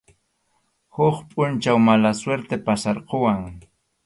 Huk pʼunchaw mala suerte pasarquwan.